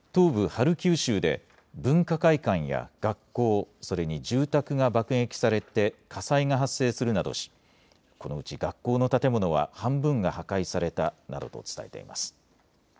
ハルキウ州で文化会館や学校、それに住宅が爆撃されて火災が発生するなどしこのうち学校の建物は半分が破壊されたなどと伝えています。